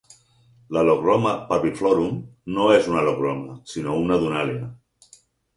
La Iochroma parviflorum no és una Iochroma, sinó una Dunalia.